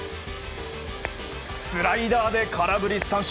スライダーで空振り三振。